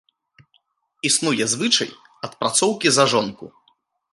Існуе звычай адпрацоўкі за жонку.